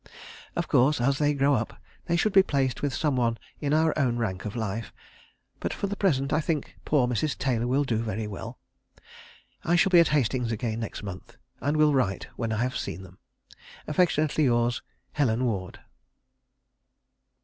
Of course, as they grow up, they should be placed with some one in our own rank of life, but for the present I think poor Mrs. Taylor will do very well.... I shall be at Hastings again next month, and will write when I have seen them.... "Affectionately yours, "HELEN WARD."